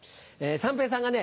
三平さんがね